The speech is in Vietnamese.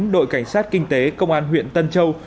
đội cảnh sát kinh tế công an huyện tân châu